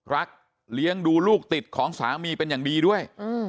เลี้ยงดูลูกติดของสามีเป็นอย่างดีด้วย